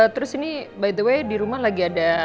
terus ini by the way di rumah lagi ada